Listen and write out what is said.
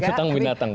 masih tentang binatang